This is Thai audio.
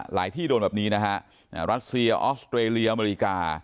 ที่โดนแบบนี้นะฮะรัสเซียออสเตรเลียอเมริกา